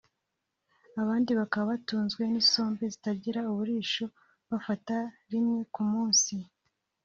abandi bakaba batunzwe n’isombe zitagira uburisho bafata rimwe ku munsi